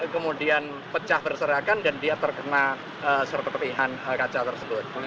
kemudian pecah berserakan dan dia terkena sepertipihan kaca tersebut